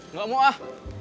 nggak mau ah